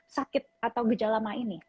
sakit atau gejala mah ini